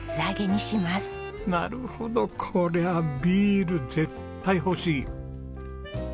なるほどこりゃあビール絶対欲しい！